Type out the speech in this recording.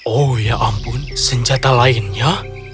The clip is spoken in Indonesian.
oh ya ampun senjata lainnya